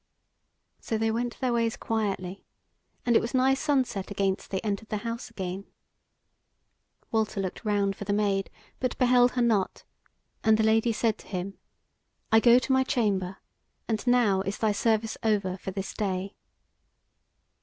So they went their ways quietly; and it was nigh sunset against they entered the house again. Walter looked round for the Maid, but beheld her not; and the Lady said to him: "I go to my chamber, and now is thy service over for this day."